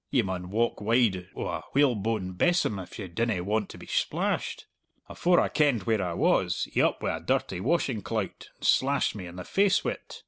ye maun walk wide o' a whalebone besom if ye dinna want to be splashed. Afore I kenned where I was, he up wi' a dirty washing clout and slashed me in the face wi't!